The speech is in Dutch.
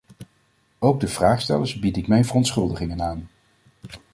Ook de vraagstellers bied ik mijn verontschuldigingen aan.